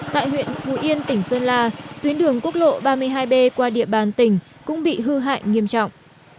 tại huyện phù yên tỉnh sơn la tuyến đường quốc lộ ba mươi hai b qua địa bàn tỉnh cũng bị hư hại nghiêm trọng